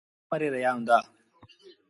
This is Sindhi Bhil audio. بُک مري رهيآ هُݩدآ۔